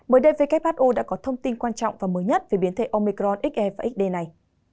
mới đây who đã có thông tin quan trọng và mới nhất về biến thể omicron xe và xd này